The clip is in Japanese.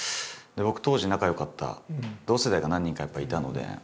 僕当時仲よかった同世代が何人かやっぱりいたので同級生が。